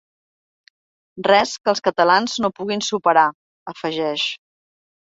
“Res que els catalans no puguin superar”, afegeix.